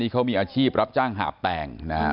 เขามีอาชีพรับจ้างหาบแต่ง